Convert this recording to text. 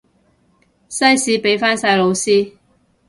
西史畀返晒老師